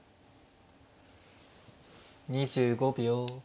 ２５秒。